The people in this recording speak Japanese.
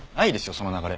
その流れ。